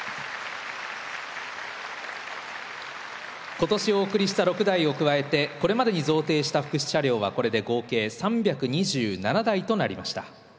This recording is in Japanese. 今年お贈りした６台を加えてこれまでに贈呈した福祉車両はこれで合計３２７台となりました。